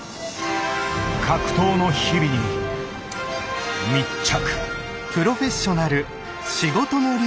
格闘の日々に密着。